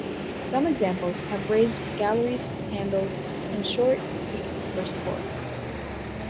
Some examples have raised galleries, handles, and short feet for support.